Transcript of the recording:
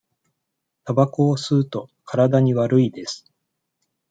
たばこを吸うと、体に悪いです。